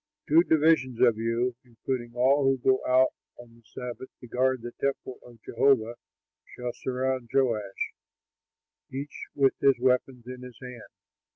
Two divisions of you, including all who go out on the Sabbath to guard the temple of Jehovah, shall surround Joash, each with his weapons in his hand.